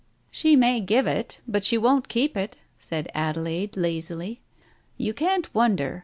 "She may give it, but she won't keep it," said Adelaide lazily. "You can't wonder.